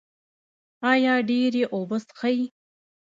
ایا ډیرې اوبه څښئ؟